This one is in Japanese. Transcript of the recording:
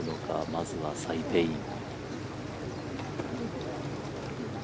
まずはサイ・ペイイン。